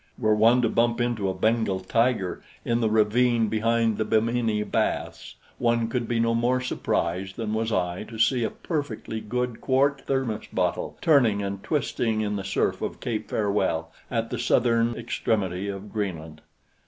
Were one to bump into a Bengal tiger in the ravine behind the Bimini Baths, one could be no more surprised than was I to see a perfectly good quart thermos bottle turning and twisting in the surf of Cape Farewell at the southern extremity of Greenland.